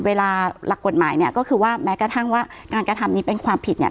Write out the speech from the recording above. เวลาหลักกฎหมายเนี่ยก็คือว่าแม้กระทั่งว่าการกระทำนี้เป็นความผิดเนี่ย